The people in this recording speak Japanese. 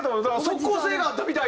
即効性があったみたいで。